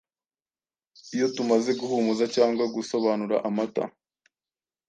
Iyo tumaze guhumuza cyangwa gusobanura amata,